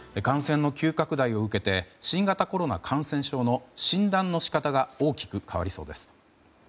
感染の急拡大を受けて新型コロナ感染症の診断の仕方が大きく変わりそうです。